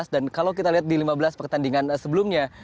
dan kalau kita lihat di lima belas pertandingan sebelumnya